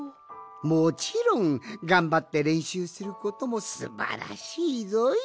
もちろんがんばってれんしゅうすることもすばらしいぞい！